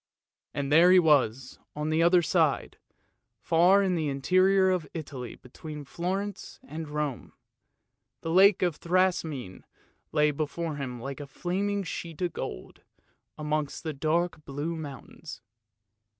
And there he was on the other side, far in the interior of Italy between Florence and Rome. The lake of Thrasymene lay before him like a naming sheet of gold, amidst the dark blue mountains.